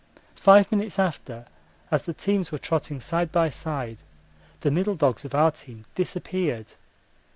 Five minutes after, as the teams were trotting side by side, the middle dogs of our team disappeared.